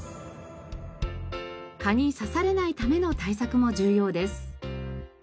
蚊に刺されないための対策も重要です。